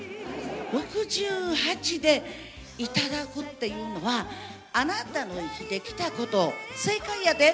６８で頂くっていうのは、あなたの生きてきたこと、正解やで！